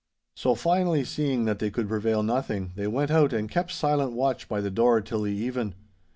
'So finally seeing that they could prevail nothing, they went out and kept silent watch by the door till the even.